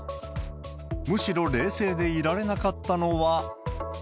むしろ冷静でいられなかったのは。